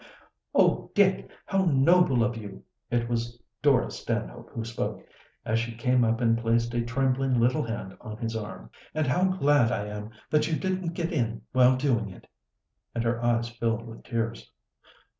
"Oh, Dick, how noble of you!" It was Dora Stanhope who spoke, as she came up and placed a trembling little hand on his arm. "And how glad I am that you didn't get in while doing it." And her eyes filled with tears.